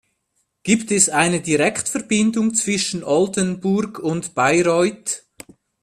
Gibt es eine Direktverbindung zwischen Oldenburg und Bayreuth?